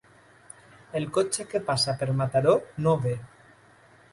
El cotxe que passa per Mataró no ve.